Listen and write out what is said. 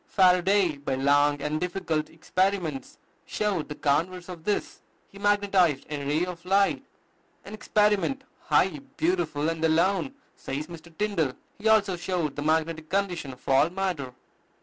Faraday, by long and difficult experiments, showed the converse of this: he magnetized a ray of light, an experiment "high, beautiful, and alone," says Mr. Tyndall. He also showed the magnetic condition of all matter.